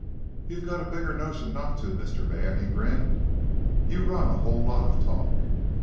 "You've got a bigger notion not to, Mr. Man," he grinned. "You run a whole lot to talk."